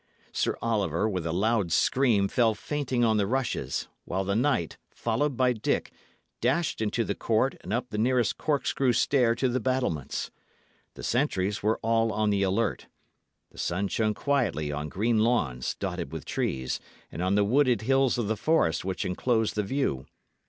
Sir Oliver, with a loud scream, fell fainting on the rushes; while the knight, followed by Dick, dashed into the court and up the nearest corkscrew stair to the battlements. The sentries were all on the alert. The sun shone quietly on green lawns dotted with trees, and on the wooded hills of the forest which enclosed the view.